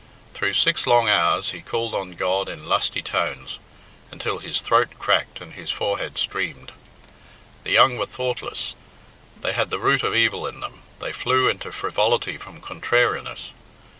Through six long hours he called on God in lusty tones, until his throat cracked and his forehead streamed. The young were thoughtless, they had the root of evil in them, they flew into frivolity from contrariness.